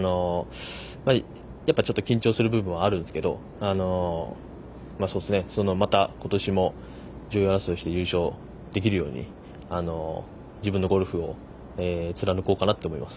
やっぱり、ちょっと緊張する部分はあるんですけどまた今年も上位争いして優勝できるように自分のゴルフを貫こうかなと思います。